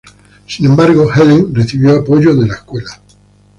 Sin embargo, Helen recibió apoyo de la escuela.